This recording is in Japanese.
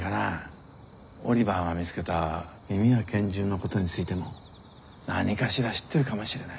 オリバーが見つけた耳や拳銃のことについても何かしら知ってるかもしれない。